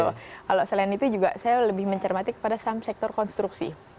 kalau selain itu juga saya lebih mencermati kepada saham sektor konstruksi